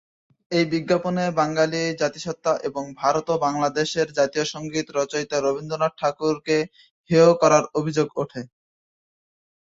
এই বিজ্ঞাপনে বাঙালি জাতিসত্তা এবং ভারত ও বাংলাদেশের জাতীয় সংগীত রচয়িতা রবীন্দ্রনাথ ঠাকুরকে হেয় করার অভিযোগ ওঠে।